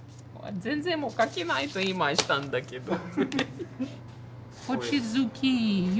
全然書けないと言いましたんだけど。